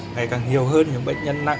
ngày càng nhiều hơn những bệnh nhân nặng